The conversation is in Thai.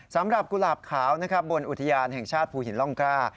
สำหรับกุหลาบขาวนะครับบนอุทยานแห่งชาติภูหินร่องกล้า